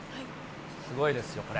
すごいですよ、これ。